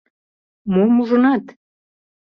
Мом ужынат?